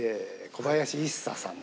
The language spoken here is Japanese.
「小林一茶さん」